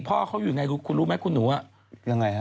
พ่อเขาอยู่ไหนคุณรู้ไหมคุณหนูอะ